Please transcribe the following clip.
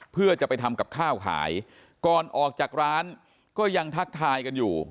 เพื่อจะไปทำกับข้าวขายก่อนออกจากร้านก็ยังทักทายกันอยู่